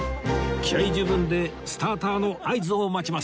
気合十分でスターターの合図を待ちます